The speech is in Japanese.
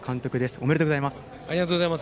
おめでとうございます。